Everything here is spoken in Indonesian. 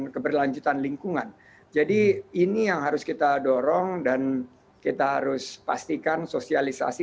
keberlanjutan lingkungan jadi ini yang harus kita dorong dan kita harus pastikan sosialisasi